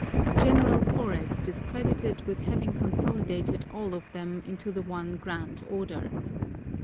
General Forrest is credited with having consolidated all of them into the one grand order.